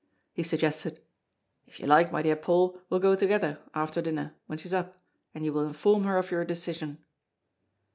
He suggested: "If you like, my dear Paul, we'll go together, after dinner, when she's up, and you will inform her of your decision."